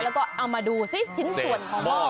แล้วก็เอามาดูซิชิ้นส่วนของหม้อ